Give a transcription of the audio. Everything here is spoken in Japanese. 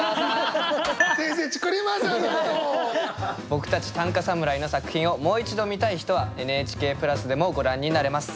僕たち短歌侍の作品をもう一度見たい人はＮＨＫプラスでもご覧になれます。